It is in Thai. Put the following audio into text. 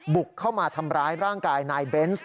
บุกเข้ามาทำร้ายร่างกายนายเบนส์